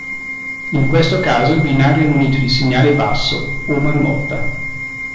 In questo caso il binario è munito di segnale basso o marmotta.